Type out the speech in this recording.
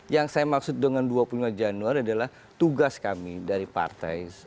yang saya maksud dengan dua puluh lima januari adalah tugas kami dari partai